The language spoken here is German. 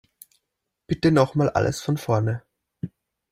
Bitte nochmal alles von vorne.